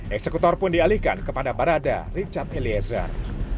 eksekutor pun dialihkan kepada barada richard eliezer